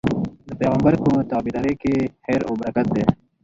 د پيغمبر په تابعدارۍ کي خير او برکت دی